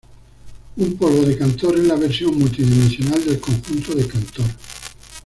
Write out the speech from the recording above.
Un polvo de Cantor es la versión multi-dimensional del conjunto de Cantor.